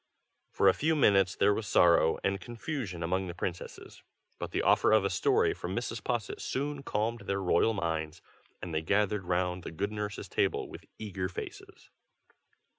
For a few minutes there was sorrow and confusion among the princesses; but the offer of a story from Mrs. Posset soon calmed their royal minds, and they gathered round the good nurse's table with eager faces.